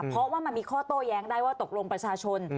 เพราะว่ามันมีข้อโต้แย้งได้ว่าตกลงประชาชน